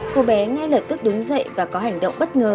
cô bé ngay lập tức đứng dậy và có hành động bất ngờ